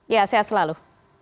ya sehat selalu